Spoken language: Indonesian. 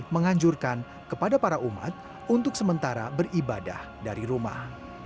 menganjurkan kepada para umat untuk sementara beribadah dari rumah